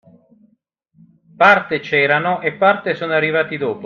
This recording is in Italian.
Parte c’erano e parte sono arrivati dopo.